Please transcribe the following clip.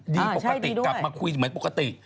ปกติกลับมาคุยเหมือนปกติ